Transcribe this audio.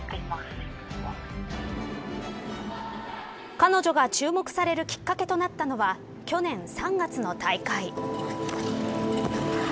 彼女が注目されるきっかけとなったのは去年３月の大会。